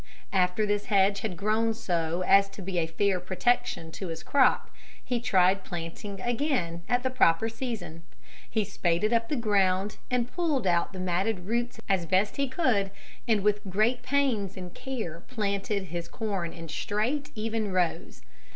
After this hedge had grown so as to be a fair protection to his crop he tried planting again at the proper season. He spaded up the ground and pulled out the matted roots as best he could and with great pains and care planted his corn in straight even rows.